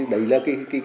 đấy là cái